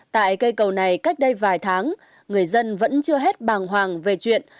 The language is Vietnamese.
tại cây cầu này cách đây vài tháng người dân vẫn chưa hết bàng hoàng về chuyện